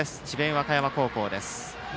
和歌山高校です。